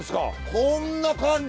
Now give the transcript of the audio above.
こんな感じ！